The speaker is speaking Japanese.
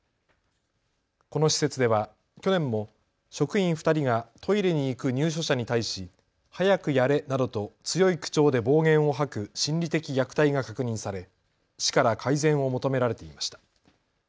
この施設では去年も職員２人がトイレに行く入所者に対し早くやれなどと強い口調で暴言を吐く心理的虐待が確認され市から改善を求められていました。